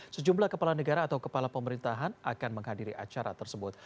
sejumlah kepala negara atau kepala pemerintahan akan menghadiri acara tersebut